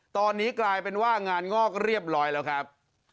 ตอนนี้กลายเป็นว่างานงอกเรียบร้อยแล้วครับ